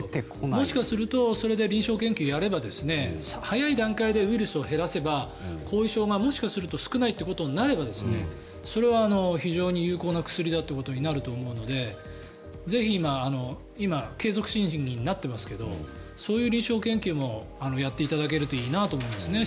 もしかするとそれで臨床研究をやれば早い段階でウイルスを減らせば後遺症がもしかすると少ないということになればそれは非常に有効な薬だということになると思うのでぜひ、今継続審議になっていますけどそういう臨床研究もやっていただけるといいなと思いますね。